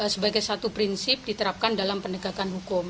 sebagai satu prinsip diterapkan dalam penegakan hukum